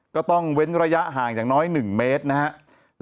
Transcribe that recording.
ก็ต้องเว้นระยะห่างอย่างน้อย๑เมตรนะครับ